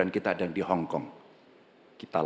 perkehendak nasional lipstick it say